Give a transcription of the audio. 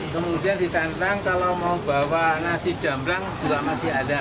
kemudian ditantang kalau mau bawa nasi jambrang juga masih ada